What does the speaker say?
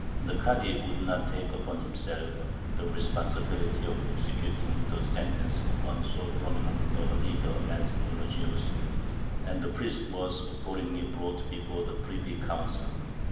The Kādy would not take upon himself the responsibility of executing the sentence upon so prominent a leader as Eulogius, and the priest was accordingly brought before the privy council.